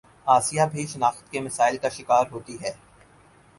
آسیہ بھی شناخت کے مسائل کا شکار ہوتی ہے